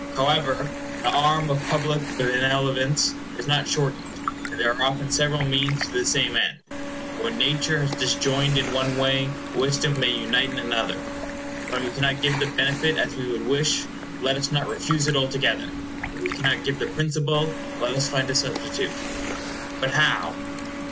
However, the arm of public benevolence is not shortened, and there are often several means to the same end. What nature has disjoined in one way, wisdom may unite in another. When we cannot give the benefit as we would wish, let us not refuse it altogether. If we cannot give the principal, let us find a substitute. But how?